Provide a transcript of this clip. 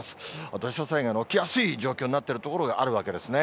土砂災害の起きやすい状況になっている所があるわけですね。